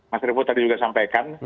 mas revo tadi juga sampaikan